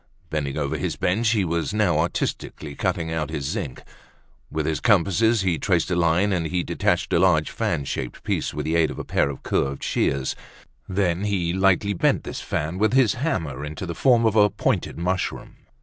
Bending over his bench, he was now artistically cutting out his zinc. With his compasses he traced a line, and he detached a large fan shaped piece with the aid of a pair of curved shears; then he lightly bent this fan with his hammer into the form of a pointed mushroom.